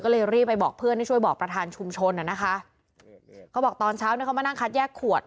ก็เลยรีบไปบอกเพื่อนให้ช่วยบอกประธานชุมชนอ่ะนะคะเขาบอกตอนเช้าเนี่ยเขามานั่งคัดแยกขวด